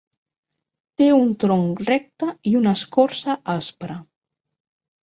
Té un tronc recte i una escorça aspra.